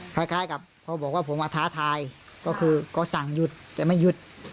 คล้ายกับเขาบอกว่าผมมาท้าทายก็คือก็สั่งหยุดแต่ไม่หยุด